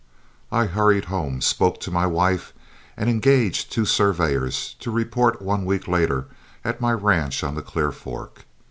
I hurried home, spoke to my wife, and engaged two surveyors to report one week later at my ranch on the Clear Fork.